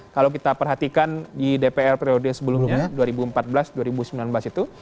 kalau kita perhatikan di dpr periode sebelumnya dua ribu empat belas dua ribu sembilan belas itu